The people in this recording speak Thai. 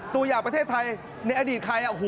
ตัวอย่างประเทศไทยในอดีตใคร